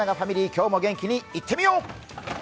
今日も元気にいってみよう！